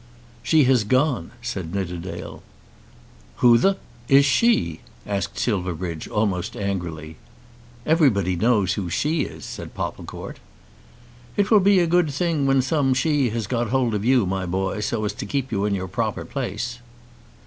"She has gone," said Nidderdale. "Who the is she?" asked Silverbridge, almost angrily. "Everybody knows who she is," said Popplecourt. "It will be a good thing when some She has got hold of you, my boy, so as to keep you in your proper place."